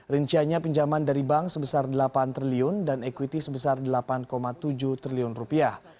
rinciannya pinjaman dari bank sebesar delapan triliun dan equity sebesar delapan tujuh triliun rupiah